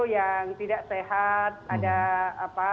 yang tidak sehat ada